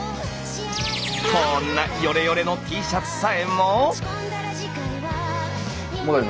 こんなよれよれのＴシャツさえも！